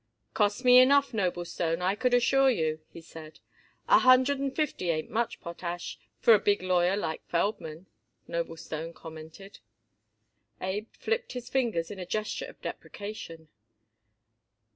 "Cost me enough, Noblestone, I could assure you," he said. "A hundred and fifty ain't much, Potash, for a big lawyer like Feldman," Noblestone commented. Abe flipped his fingers in a gesture of deprecation.